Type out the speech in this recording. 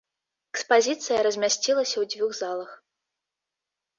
Экспазіцыя размясцілася ў дзвюх залах.